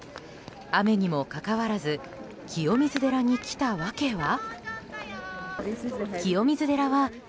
雨にもかかわらず清水寺に来た訳は？